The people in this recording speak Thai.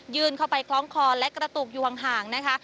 เข้าไปคล้องคอและกระตุกอยู่ห่างนะคะ